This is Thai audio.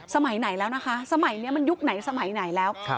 สมัยไหนแล้วนะคะสมัยนี้มันยุคไหนสมัยไหนแล้ว